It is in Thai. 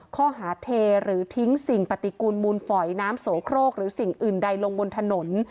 ข้อหาเทหรือทิ้งสิ่งปฏิกูลมูลฝอยน้ำโสโครกหรือสิ่งอื่นใดลงบนถนน